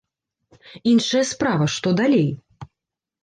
Іншая справа, што далей?